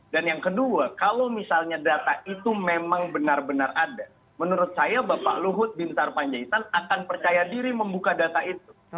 dan yang kedua kalau misalnya data itu memang benar benar ada menurut saya bapak luhut bintar panjaitan akan percaya diri membuka data itu